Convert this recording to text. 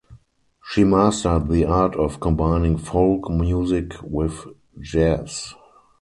She mastered the art of combining folk music with jazz.